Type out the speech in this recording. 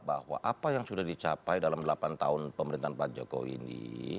bahwa apa yang sudah dicapai dalam delapan tahun pemerintahan pak jokowi ini